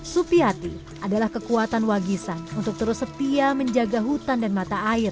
supiati adalah kekuatan wagisan untuk terus setia menjaga hutan dan mata air